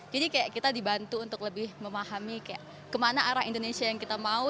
jadi kita dibantu untuk lebih memahami kemana arah indonesia yang kita mau